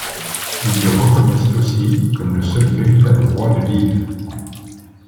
Ils le reconnaissent aussi comme le seul véritable roi de l'île.